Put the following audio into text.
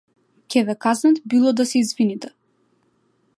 Ќе ве казнат било да се извините.